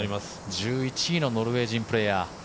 １１位のノルウェー人プレーヤー。